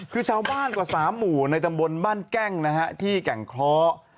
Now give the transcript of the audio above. คือชาวบ้านกว่า๓หมู่ในตำบลบ้านแก้งนะฮะที่แก่งเคราะห์